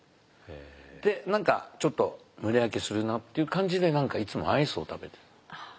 で何かちょっと胸焼けするなっていう感じで何かいつもアイスを食べて。